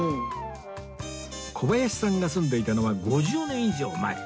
小林さんが住んでいたのは５０年以上前